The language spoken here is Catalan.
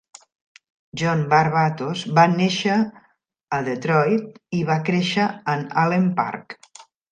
John Varvatos va nàixer en Detroit i va créixer en Allen Park.